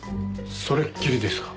それっきりですか？